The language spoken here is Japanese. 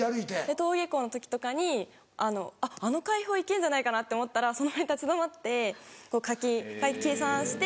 登下校の時とかにあの解法行けんじゃないかなって思ったらその場で立ち止まってこう書き計算して。